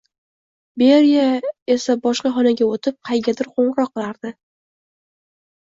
Beriya esa boshqa xonaga o’tib, qaygadir qo’ng’iroq qilardi.